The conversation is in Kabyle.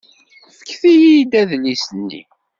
Fket-iyi-d adlis-nni.